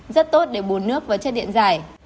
rất tốt để bù nước và chất điện giải